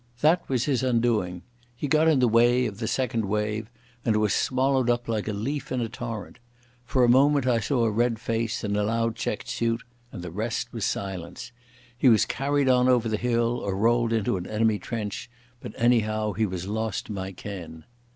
That was his undoing. He got in the way of the second wave and was swallowed up like a leaf in a torrent. For a moment I saw a red face and a loud checked suit, and the rest was silence. He was carried on over the hill, or rolled into an enemy trench, but anyhow he was lost to my ken.